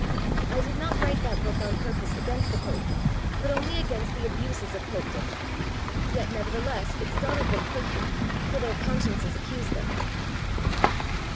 I did not write that book on purpose against the Pope, but only against the abuses of Popedom; yet nevertheless it startled them quickly, for their consciences accused them.